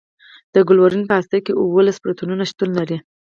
د کلورین په هسته کې اوولس پروتونونه شتون لري.